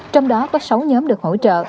trong đó có sáu nhóm được hỗ trợ